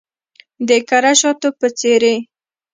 د کره شاتو په څیرې